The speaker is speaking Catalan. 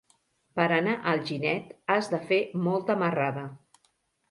Per anar a Alginet has de fer molta marrada.